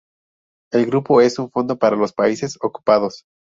El grupo es un fondo para los países ocupados.